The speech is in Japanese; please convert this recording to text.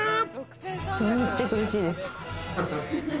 めっちゃ苦しいです。